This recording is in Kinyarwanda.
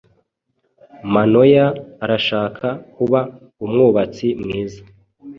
Manoya arashaka kuba umwubatsi mwiza.